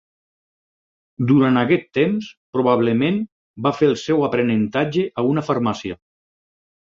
Durant aquest temps, probablement va fer el seu aprenentatge a una farmàcia.